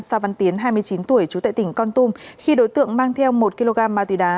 sa văn tiến hai mươi chín tuổi trú tại tỉnh con tum khi đối tượng mang theo một kg ma túy đá